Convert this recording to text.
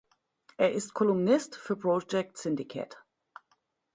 Er ist Kolumnist für Project Syndicate.